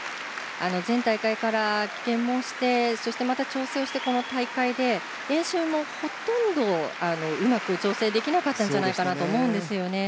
前大会から棄権をしてそして、また調整をしてこの大会で練習もほとんどうまく調整できなかったんじゃないかと思うんですね。